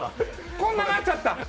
こんななっちゃった。